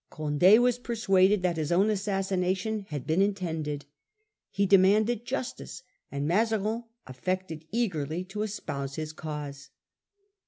Conde was persuaded that his own assassination had been intended. He demanded justice, and Mazarin affected eagerly to espouse his cause.